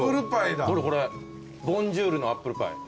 これボンジュールのアップルパイ。